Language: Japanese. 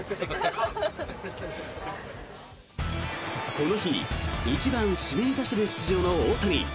この日１番指名打者で出場の大谷。